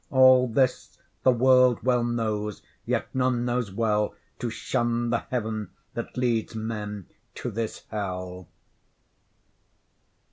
All this the world well knows; yet none knows well To shun the heaven that leads men to this hell.